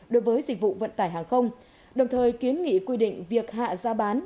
đối với dịch vụ vận tải hàng không đồng thời kiến nghị quy định việc hạ gia bán